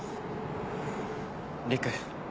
陸。